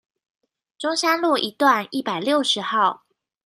中山路一段一百六十號